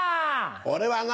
俺はな